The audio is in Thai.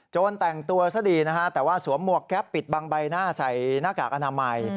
แต่งตัวซะดีนะฮะแต่ว่าสวมหมวกแก๊ปปิดบังใบหน้าใส่หน้ากากอนามัย